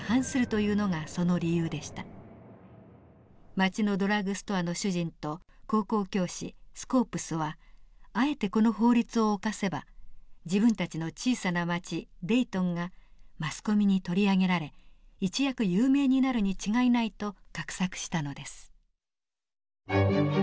町のドラッグストアの主人と高校教師スコープスはあえてこの法律を犯せば自分たちの小さな町デイトンがマスコミに取り上げられ一躍有名になるに違いないと画策したのです。